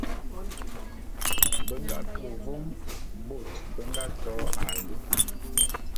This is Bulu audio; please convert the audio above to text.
Be nga ke vôm bôt bé nga to alu.